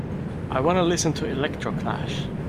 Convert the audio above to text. I wanna listen to Electroclash